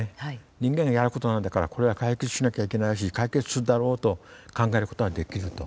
人間がやることなんだからこれは解決しなきゃいけないし解決するだろうと考えることはできると。